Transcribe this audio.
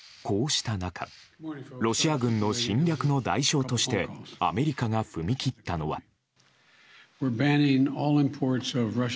こうした中ロシア軍の侵略の代償としてアメリカが踏み切ったのは。